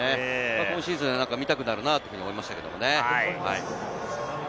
このシーズン、見たくなるなと思いましたね。